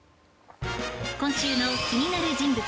今週の気になる人物